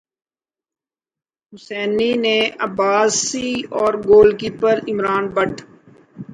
حسینی نے عباسی اور goalkeeper Imran but